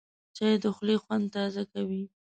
چای د خولې خوند تازه کوي